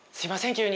急に。